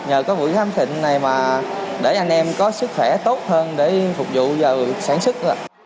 nhờ có buổi khám thịnh này mà để anh em có sức khỏe tốt hơn để phục vụ giờ sản xuất